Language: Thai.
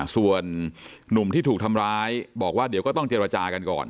ส่วนหนุ่มที่ถูกทำร้ายบอกว่าเดี๋ยวก็ต้องเจรจากันก่อน